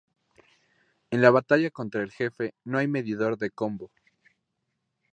En la batalla contra el jefe, no hay medidor de combo.